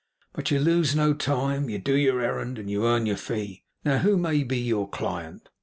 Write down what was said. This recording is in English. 'But you lose no time. You do your errand, and you earn your fee. Now, who may be your client?